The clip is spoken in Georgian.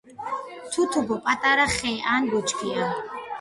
თუთუბო პატარა ხე ან ბუჩქია.